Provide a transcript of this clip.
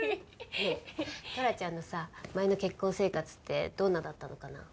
ねえトラちゃんのさ前の結婚生活ってどんなだったのかな？